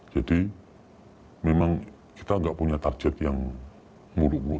jadi memang kita tidak punya target yang muruk muruk